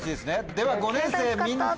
では５年生みんなの。